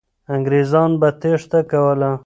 انګریزان به تېښته کوله.